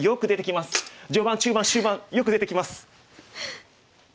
序盤中盤終盤よく出てきます。